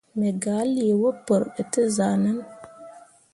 Me gah lii wapǝǝre ɓe te zah nen.